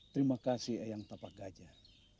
terima kasih eyang tapak gajah